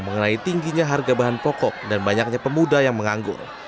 mengenai tingginya harga bahan pokok dan banyaknya pemuda yang menganggur